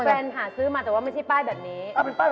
หาซื้อมาแต่ว่าไม่ใช่ป้ายแบบนี้